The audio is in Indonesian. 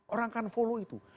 orang akan follow itu